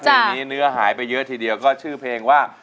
เพลงนี้เนื้อหายไปเยอะทีเดียวก็ชื่อเพลงว่า